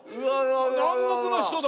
南国の人だ。